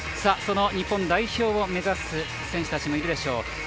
日本代表を目指す選手たちもいるでしょう